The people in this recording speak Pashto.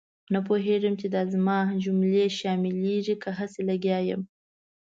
نه پوهېږم چې دا زما جملې شاملېږي که هسې لګیا یم.